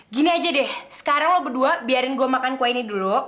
gini aja deh sekarang lo berdua biarin gue makan kue ini dulu